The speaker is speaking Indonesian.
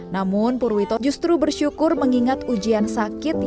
namun purwito justru bersyukur mengingatkan dia bisa menjual perabotan keliling ini